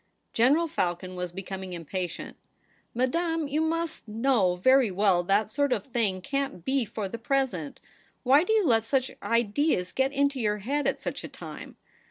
General Falcon was becoming impatient. * Madame, you must know very well that THE PRINCESS AT HOME. 177 sort of thing can't be for the present. Why do you let such ideas get into your head at such a time